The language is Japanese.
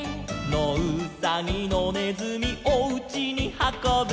「のうさぎのねずみおうちにはこぶ」